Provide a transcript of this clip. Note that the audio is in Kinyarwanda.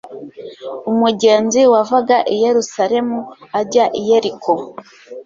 Umugenzi wavaga i Yerusalemu ajya i Yeriko,